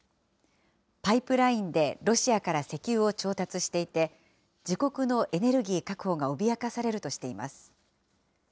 パイプラインでロシアから石油を調達していて、自国のエネルギー確保が脅かされるとしています。